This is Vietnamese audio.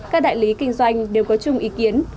các đại lý kinh doanh đều có chung ý kiến